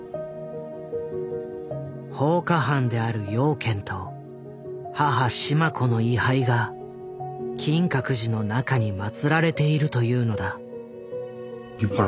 放火犯である養賢と母・志満子の位牌が金閣寺の中にまつられているというのだ。